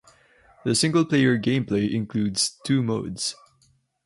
The single-player game play includes two modes.